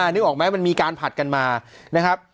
นึกออกไหมมันมีการผัดกันมานะครับ